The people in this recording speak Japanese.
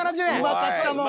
うまかったもん。